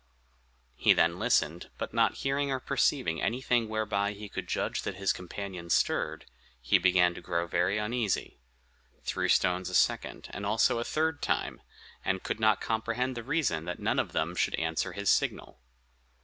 He then listened, but not hearing or perceiving anything whereby he could judge that his companions stirred, he began to grow very uneasy, threw stones a second and also a third time, and could not comprehend the reason that none of them should answer his signal.